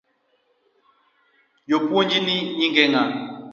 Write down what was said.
Japuonjni nyinge ng’a?